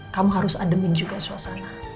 kamu harus ademin juga suasana